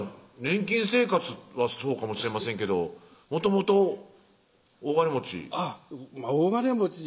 年金生活はそうかもしれませんけどもともと大金持ち？